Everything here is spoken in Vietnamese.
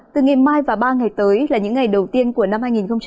từ ngày mai và ba ngày tới là những ngày đầu tiên của năm hai nghìn hai mươi